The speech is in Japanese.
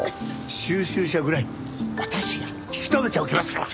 収集車ぐらい私が引き留めておきますから。